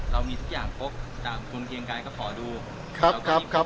เรามีทุกอย่างครบจากทุนเคียงกายก็ขอดูครับครับครับ